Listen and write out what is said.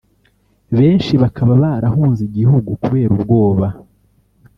benshi bakaba barahunze igihugu kubera ubwoba